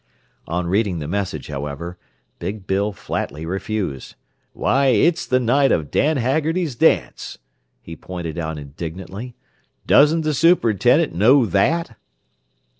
On reading the message, however, Big Bill flatly refused. "Why, it's the night of Dan Haggerty's dance," he pointed out indignantly. "Doesn't the superintendent know that?"